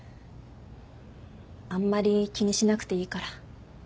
あんまり気にしなくていいから。